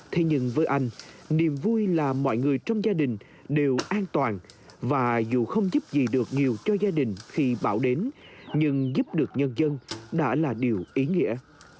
thế nhưng với anh niềm vui là mọi người trong gia đình đều an toàn và dù không giúp gì được nhiều cho gia đình khi bão đến nhưng giúp được nhân dân đã là điều ý nghĩa